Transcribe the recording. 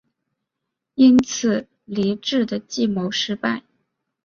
因此黎质的计谋失败。